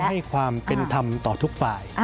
ให้ความเป็นธรรมต่อทุกฝ่าย